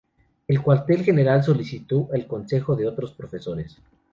El cuartel general solicitó el consejo de otros profesores.